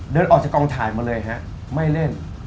เดินออกจากกองถ่ายมาเลยฮะไม่เล่น